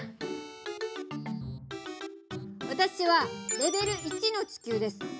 わたしはレベル１の地球です。